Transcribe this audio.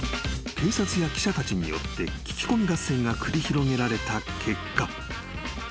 ［警察や記者たちによって聞き込み合戦が繰り広げられた結果］